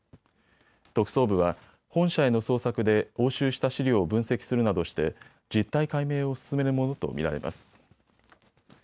特捜部は本社への捜索で押収した資料を分析するなどして実態解明を進めるものと見られます。